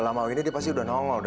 sampai jumpa di video selanjutnya